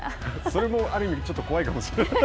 それもある意味ちょっと怖いかもしれない。